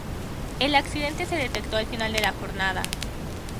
El accidente se detectó al final de la jornada.